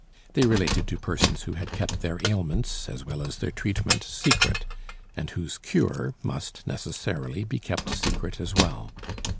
They related to persons who had kept their ailments, as well as their treatment, secret, and whose cure must necessarily be kept secret as well.